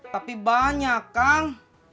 tapi banyak kang